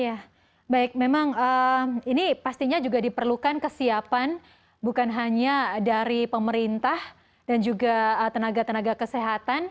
ya baik memang ini pastinya juga diperlukan kesiapan bukan hanya dari pemerintah dan juga tenaga tenaga kesehatan